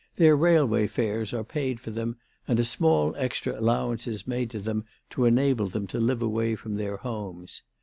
Their railway fares are paid for them, and a small extra allowance is made to them to enable them to live away from their homes.